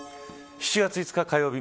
７月５日火曜日